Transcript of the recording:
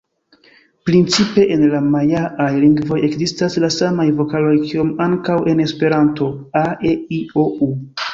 Principe en la majaaj lingvoj ekzistas la samaj vokaloj kiom ankaŭ en Esperanto: a-e-i-o-u.